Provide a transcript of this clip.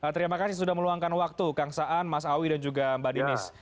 terima kasih sudah meluangkan waktu kang saan mas awi dan juga mbak dinis